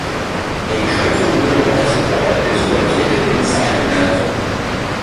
A drinking water reservoir is located inside the mountain.